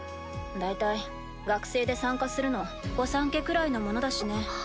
だいたい学生で参加するの御三家くらいのものだしね。